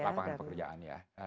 lapangan pekerjaan ya